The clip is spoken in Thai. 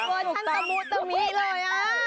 เมื่อทั้งสมุขตรงนี้เลย